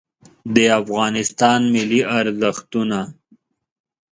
د افغانستان ملي ارزښتونه